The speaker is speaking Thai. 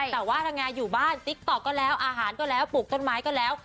แต่ว่าถ้าไงอยู่บ้านติ๊กต๊อกก็แล้วอาหารก็แล้วปลูกต้นไม้ก็แล้ว